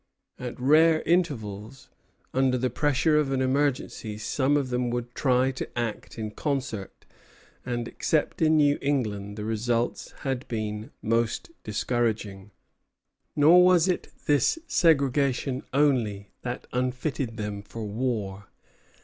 At rare intervals, under the pressure of an emergency, some of them would try to act in concert; and, except in New England, the results had been most discouraging. Nor was it this segregation only that unfitted them for war.